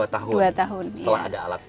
dua tahun setelah ada alat